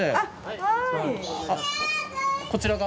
こちらが？